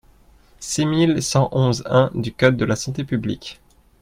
six mille cent onze-un du code de la santé publique.